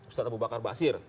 ustadz abu bakar basir